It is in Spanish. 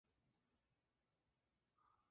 Es llamado barbanegra por su aspecto.